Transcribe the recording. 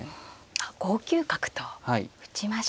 あっ５九角と打ちました。